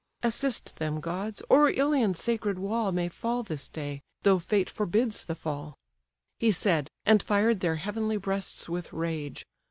Assist them, gods! or Ilion's sacred wall May fall this day, though fate forbids the fall." He said, and fired their heavenly breasts with rage.